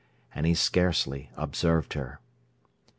And he scarcely observed her.